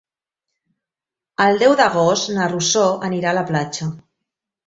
El deu d'agost na Rosó anirà a la platja.